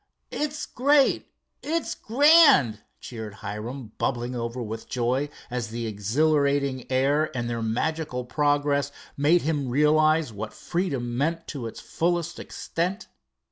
"It's great, its grand," cheered Hiram, bubbling over with joy, as the exhilarating air and their magical progress made him realize what freedom meant to its fullest extent.